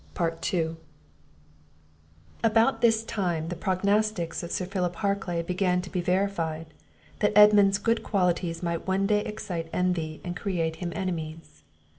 ]ABOUT this time the prognostics of Sir Philip Harclay began to be verified, that Edmund's good qualities might one day excite envy and create him enemies.